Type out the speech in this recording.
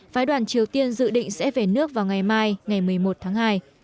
phái đoàn triều tiên dự định sẽ về nước vào ngày mai ngày một mươi một tháng hai